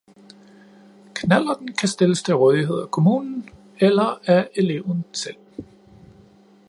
Knallerten kan stilles til rådighed af kommunen eller af eleven selv